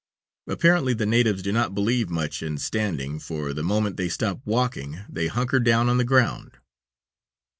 Apparently the natives do not believe much in standing, for the moment they stop walking they "hunker" down on the ground.